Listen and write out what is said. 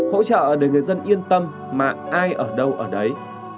hỗ trợ để người dân yên tâm mà ai ở đâu ở đấy